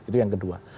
itu yang kedua